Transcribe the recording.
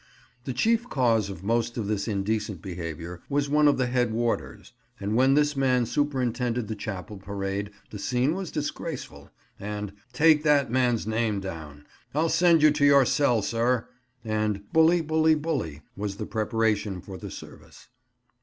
The chief cause of most of this indecent behaviour was one of the head warders, and when this man superintended the chapel parade the scene was disgraceful; and "Take that man's name down!" "I'll send you to your cell, sir!" and bully, bully, bully, was the preparation for the service.